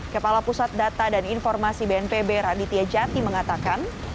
kepala pusat data dan informasi bnpb raditya jati mengatakan